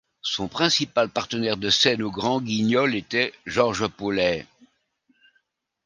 Son principal partenaire de scène au Grand Guignol était Georges Paulais.